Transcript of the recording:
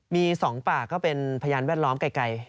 มี๒ปากก็เป็นพยานแวดล้อมไกล